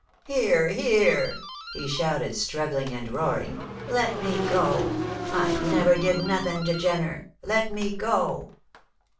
"Here! here!" he shouted, struggling and roaring. "Let me go; I never did nothing to Jenner. Let me go!"